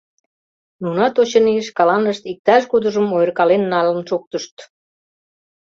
Нунат, очыни, шкаланышт иктаж-кудыжым ойыркален налын шуктышт.